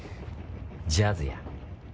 ジャズや。